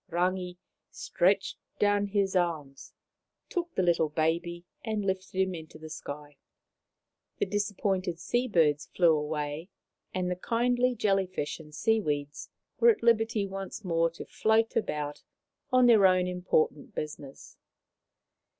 Rangi stretched down his arms, took the little baby, and lifted him into the sky. The disappointed sea birds flew away, and the kindly jelly fish and sea weeds were at liberty once more to float about on their own important businesses.